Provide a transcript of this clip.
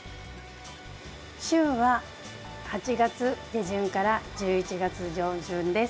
旬は８月下旬から１１月上旬です。